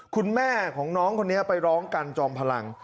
คุณแม่ของน้องคนนี้ไปร้องกันจอมพลัง